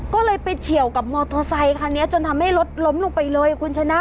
ก็เลยไปเฉียวกับมอเตอร์ไซคันนี้จนทำให้รถล้มลงไปเลยคุณชนะ